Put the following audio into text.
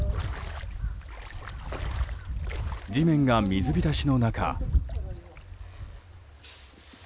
地面が水浸しの中。